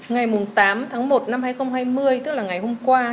ngày tám tháng một năm hai nghìn hai mươi tức là ngày hôm qua